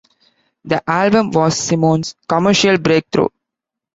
The album was Simon's commercial breakthrough.